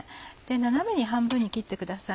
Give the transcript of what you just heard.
斜めに半分に切ってください。